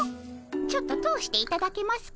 ちょっと通していただけますか？